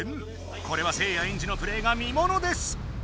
これはせいやエンジのプレーが見ものです！